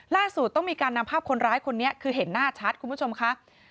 ต้องมีการนำภาพคนร้ายคนนี้คือเห็นหน้าชัดคุณผู้ชมค่ะ